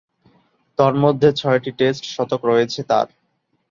তন্মধ্যে, ছয়টি টেস্ট শতক রয়েছে তার।